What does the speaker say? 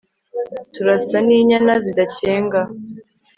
turasan'inyana zidakenga..